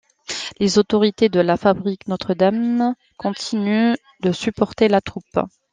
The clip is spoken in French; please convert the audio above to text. Les autorités de la fabrique Notre-Dame continuent de supporter la troupe.